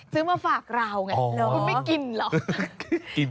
ซื้อมาฝากเราไงคุณไม่กินเหรอ